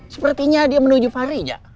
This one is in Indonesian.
sepertinya dia menuju farija